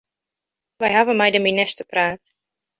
Wy hawwe mei de minister praat.